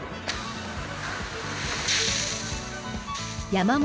山本。